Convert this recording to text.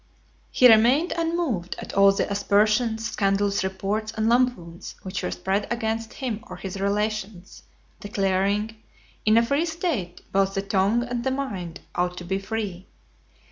XXVIII. He remained unmoved at all the aspersions, scandalous reports, and lampoons, which were spread against him or his relations; declaring, "In a free state, both the tongue and the mind ought to be free."